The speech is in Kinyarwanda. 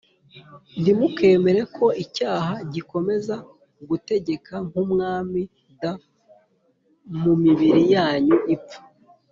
ntimukemere ko icyaha gikomeza gutegeka nk umwami d mu mibiri yanyu ipfa